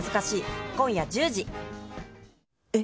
え？